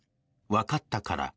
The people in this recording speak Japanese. わかったから。